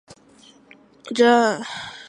纽黑文是英国东萨塞克斯郡的一个镇。